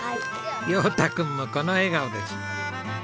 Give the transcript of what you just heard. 葉太くんもこの笑顔です。